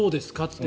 って